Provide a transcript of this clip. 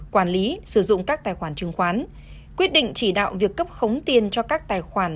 quản lý sử dụng các tài khoản chứng khoán quyết định chỉ đạo việc cấp khống tiền cho các tài khoản